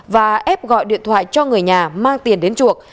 và ép gọi điện thoại cho người nhà mang tiền đến chuộc